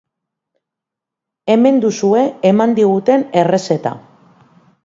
Hemen duzue eman diguten errezeta.